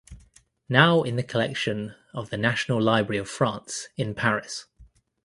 Now in the collection of the National Library of France in Paris.